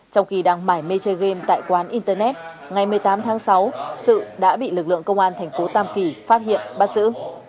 trong khi đang mải mê chơi game tại quán internet ngày một mươi tám tháng sáu sự đã bị lực lượng công an thành phố tam kỳ phát hiện bắt giữ